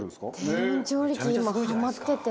低温調理器今ハマってて。